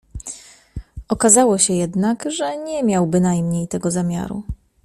"Okazało się jednak, że nie miał bynajmniej tego zamiaru."